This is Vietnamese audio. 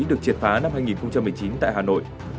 được triệt phá năm hai nghìn một mươi chín tại hà nội